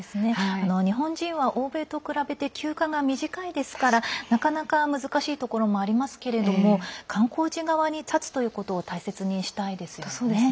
日本人は欧米と比べて休暇が短いですからなかなか難しいところもありますけれども観光地側に立つということを大切にしたいですよね。